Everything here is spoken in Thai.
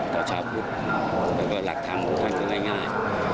ต่อชาวพุทธและหลักธรรมของท่านก็ง่าย